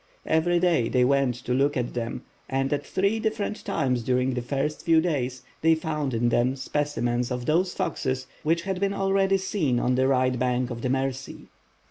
Every day they went to look at them, and at three different times during the first few days they found in them specimens of those foxes which had been already seen on the right bank of the Mercy.